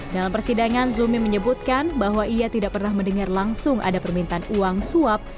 dalam persidangan zumi menyebutkan bahwa ia tidak pernah mendengar langsung ada permintaan uang suap